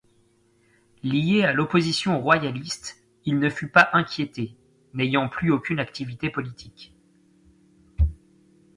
Lié à l'opposition royaliste, il ne fut pas inquiété, n'ayant plus aucune activité politique.